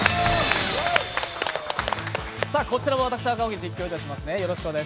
こちらも私、赤荻実況いたします。